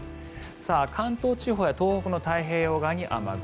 関東地方や東北の太平洋側に雨雲。